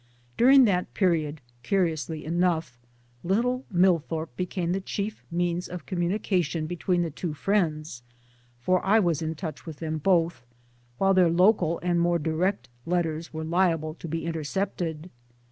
During that period, curiously enough, little MiDthorpe became the chief means of communication between the two friends for I was in touch with them both, while their local and more direct letters were liable to be inter cepted.